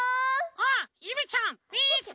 あゆめちゃんみつけた！